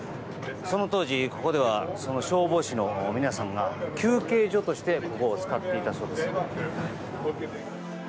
その当時、ここでは消防士の皆さんが休憩所としてここを使っていたそうです。